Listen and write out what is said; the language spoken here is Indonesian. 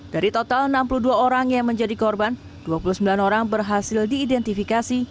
dari total enam puluh dua orang yang menjadi korban dua puluh sembilan orang berhasil diidentifikasi